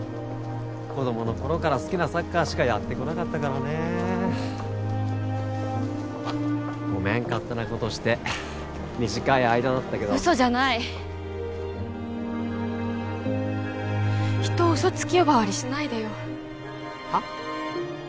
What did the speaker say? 子供の頃から好きなサッカーしかやってこなかったからねごめん勝手なことして短い間だったけどウソじゃない人をウソつき呼ばわりしないでよはっ？